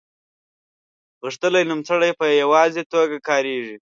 غښتلي نومځري په یوازې توګه کاریږي.